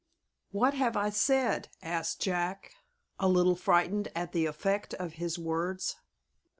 "What have I said?" asked Jack, a little frightened at the effect of his words.